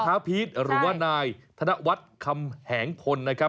พระพีชหรือว่านายธนวัตรคำแหงคนนะครับ